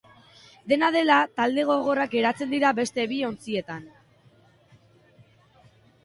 Dena dela, talde gogorrak geratzen dira beste bi ontzietan.